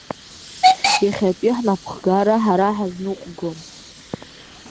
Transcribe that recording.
Иахьатәи ҳнапхгара ҳара ҳазныҟәгом!